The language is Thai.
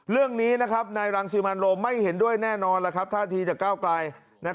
เรื่องนี้นะครับนายรังศิลป์มันโรมไม่เห็นด้วยแน่นอนล่ะครับท่าทีจะก้าวไกล